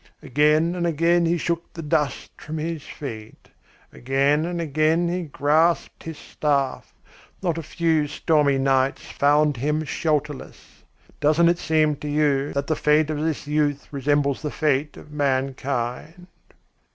Again and again he shook the dust from his feet; again and again he grasped his staff. Not a few stormy nights found him shelterless. Doesn't it seem to you that the fate of this youth resembles the fate of mankind?"